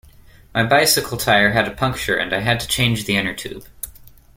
My bicycle tyre had a puncture, and I had to change the inner tube